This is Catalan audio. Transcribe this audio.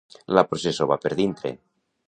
La processó va per dintre.